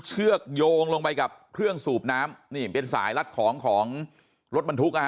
เชือกโยงลงไปกับเครื่องสูบน้ำนี่เป็นสายรัดของของรถบรรทุกอ่ะฮ